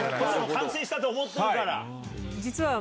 完成したと思ってるから。